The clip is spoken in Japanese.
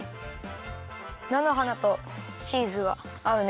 なのはなとチーズがあうね。